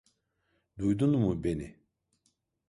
Duydun mu beni?